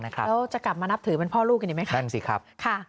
แล้วจะกลับมานับถือเป็นพ่อลูกกันอีกไหมคะนั่นสิครับ